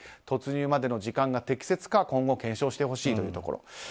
突入までの時間が適切か今後、検証してほしいところ。